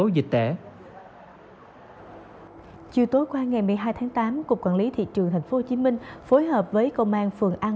dịch tễ chiều tối qua ngày một mươi hai tháng tám cục quản lý thị trường tp hcm phối hợp với công an phường an